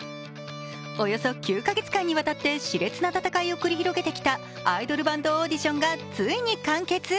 およそ９か月間にわたってしれつな戦いを繰り広げてきたアイドルバンドオーディションがついに完結。